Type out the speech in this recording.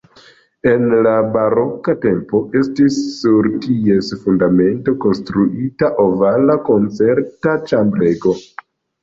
En la baroka tempo estis sur ties fundamento konstruita ovala koncerta ĉambrego.